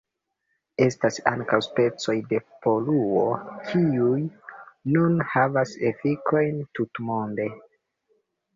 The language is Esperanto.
Estas ankaŭ specoj de poluo, kiuj nun havas efikojn tutmonde.